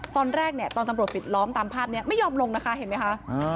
ตอนแรกเนี่ยตอนตำรวจปิดล้อมตามภาพนี้ไม่ยอมลงนะคะเห็นไหมคะ